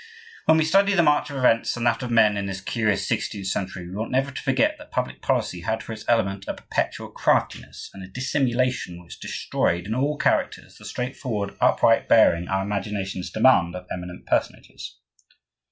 When we study the march of events and that of men in this curious sixteenth century, we ought never to forget that public policy had for its element a perpetual craftiness and a dissimulation which destroyed, in all characters, the straightforward, upright bearing our imaginations demand of eminent personages.